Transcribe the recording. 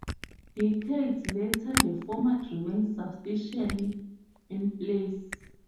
Decades later the format remains substantially in place.